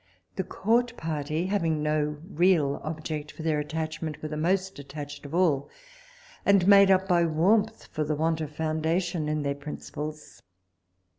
The court party having no real object for their attachment, were the most attached of all, and made up by warmth for the want of foundation in their principles.